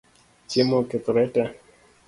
Chiemo okethoree tee